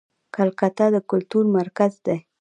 کلکته د کلتور مرکز دی.